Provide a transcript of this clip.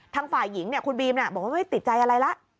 ทางฝ่ายหญิงคุณบีมบอกว่าไม่ติดใจอะไรละ